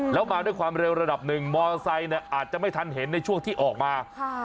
แล้วมาด้วยความเร็วระดับหนึ่งมอเตอร์ไซค์เนี่ยอาจจะไม่ทันเห็นในช่วงที่ออกมา